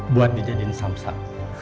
buat dijadiin samsak